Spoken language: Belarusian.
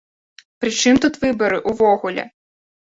Пры чым тут выбары ўвогуле?!